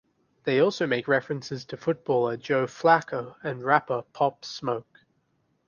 They also make references footballer Joe Flacco and rapper Pop Smoke.